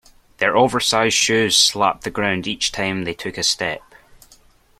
Their oversized shoes slapped the ground each time they took a step.